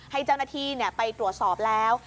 ให้เจ้าหน้าที่ไปตรวจสอบแล้ว